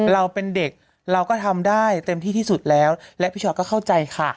เราเป็นเด็กเราก็ทำได้เต็มที่ที่สุดแล้วและพี่ชอตก็เข้าใจค่ะ